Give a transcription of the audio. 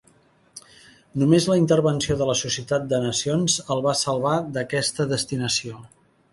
Només la intervenció de la Societat de Nacions el va salvar d'aquesta destinació.